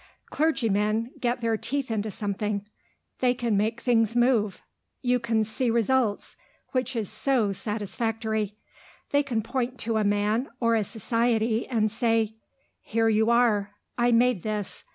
Clergymen get their teeth into something; they make things move; you can see results, which is so satisfactory. They can point to a man, or a society, and say, "Here you are; I made this.